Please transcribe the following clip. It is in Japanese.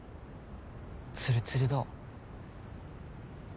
ツルツルだわ。